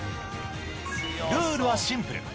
ルールはシンプル。